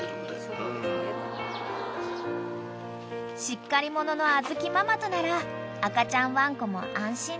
［しっかり者の小豆ママとなら赤ちゃんワンコも安心だね］